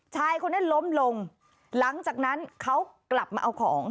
ชายคนนั้นล้มลงหลังจากนั้นเขากลับมาเอาของ